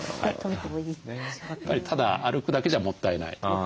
ただ歩くだけじゃもったいない。